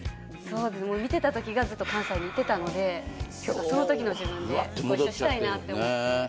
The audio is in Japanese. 見てたときがずっと関西にいてたのでそのときの自分でご一緒したいなって思って。